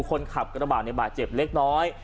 คนขับกระบาดเจ็บเล็กน้อย